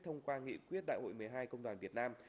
thông qua nghị quyết đại hội một mươi hai công đoàn việt nam